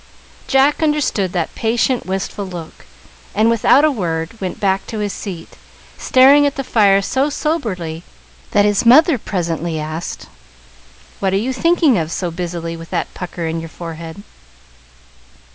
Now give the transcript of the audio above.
Jack understood that patient, wistful look, and, without a word, went back to his seat, staring at the fire so soberly, that his mother presently asked: "What are you thinking of so busily, with that pucker in your forehead?"